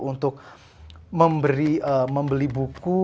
untuk membeli buku